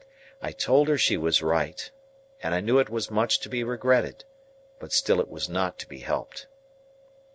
I told her she was right, and I knew it was much to be regretted, but still it was not to be helped.